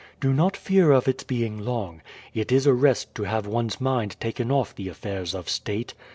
"Do not fear of its being long. It is a rest to have one's mind taken off the affairs of state.